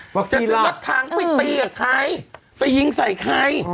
จะซื้อรถถังไปตีกับใครไปยิงใส่ใคร